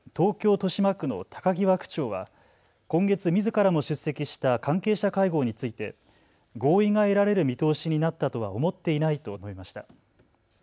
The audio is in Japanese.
豊島区の高際区長は今月みずからも出席した関係者会合について合意が得られる見通しになったとは思っていないと述べました。